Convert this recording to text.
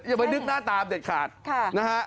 อย่าไปนึกหน้าตามเด็ดขาดนะฮะ